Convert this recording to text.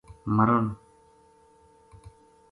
مرن